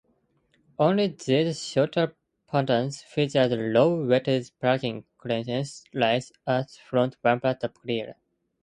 Only these shorter Pontons featured low-wattage parking clearance lights at front bumper top rear.